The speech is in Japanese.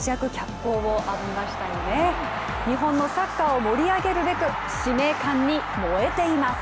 日本のサッカーを盛り上げるべく使命感に燃えています。